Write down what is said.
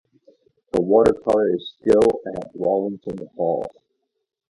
The watercolour is still at Wallington Hall.